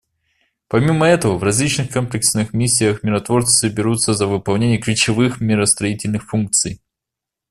Помимо этого, в различных комплексных миссиях миротворцы берутся за выполнение ключевых миростроительных функций.